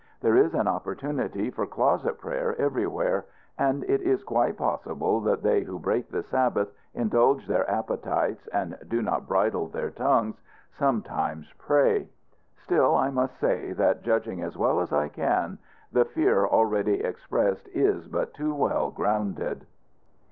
There is an opportunity for closet prayer everywhere; and it is quite possible that they who break the Sabbath, indulge their appetites, and do not bridle their tongues, sometimes pray. Still I must say that, judging as well as I can, the fear already expressed is but too well grounded.